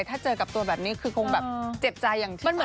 ถ้าเจอกับตัวแบบนี้คงเจ็บใจอย่างที่มันบอก